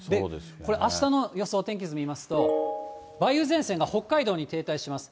これ、あしたの予想天気図見ますと、梅雨前線が北海道に停滞します。